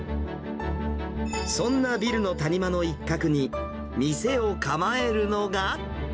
そんなビルの谷間の一角に、店を構えるのが。